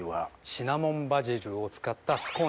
シナモンバジルを使った。